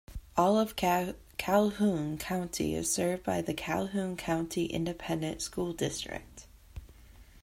All of Calhoun County is served by the Calhoun County Independent School District.